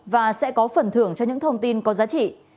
và sẽ có phần thưởng cho những thông tin có giá trị